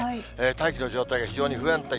大気の状態が非常に不安定。